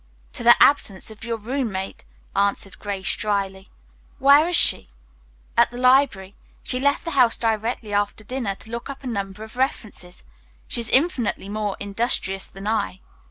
"To the absence of your roommate," answered Grace dryly. "Where is she?" "At the library. She left the house directly after dinner to look up a number of references. She is infinitely more industrious than I."